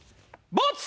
ボツ。